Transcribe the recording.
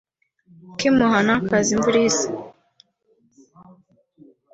ak’imuhana kaza imvura ihise);